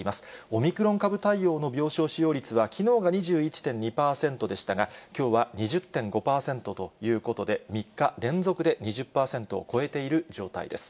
オミクロン株対応の病床使用率はきのうが２１．２％でしたが、きょうは２０．５％ということで、３日連続で２０％を超えている状態です。